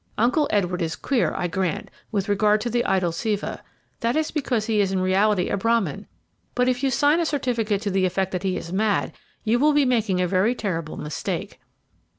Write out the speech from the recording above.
Uncle Edward is queer, I grant, with regard to the idol Siva, that is because he is in reality a Brahmin; but if you sign a certificate to the effect that he is mad, you will be making a very terrible mistake.'